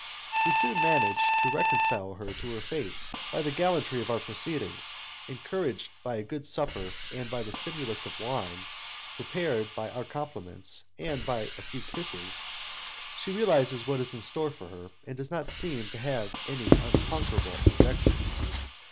We soon manage to reconcile her to her fate by the gallantry of our proceedings; encouraged by a good supper and by the stimulus of wine, prepared by our compliments and by a few kisses, she realizes what is in store for her, and does not seem to have any unconquerable objection.